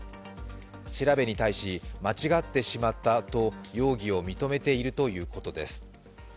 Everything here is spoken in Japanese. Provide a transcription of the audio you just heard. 調べに対し間違ってしまったと容疑を認めているということです。